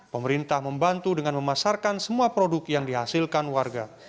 pemerintah membantu dengan memasarkan semua produk yang dihasilkan warga